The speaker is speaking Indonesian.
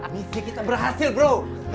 misi kita berhasil bro